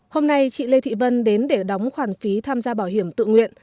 hôm nay chị lê thị vân đến để đóng khoản phí tham gia bảo hiểm tự nguyện